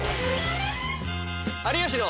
「有吉の」。